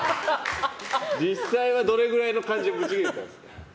実際はどれぐらいの感じでブチギレたんですか。